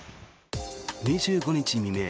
２５日未明